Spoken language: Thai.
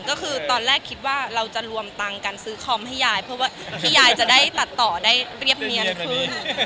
ก็คือตอนแรกคิดว่าเราจะรวมตังค์การซื้อคอมให้ยายเพราะว่าที่ยายจะได้ตัดต่อได้เรียบเนียนขึ้น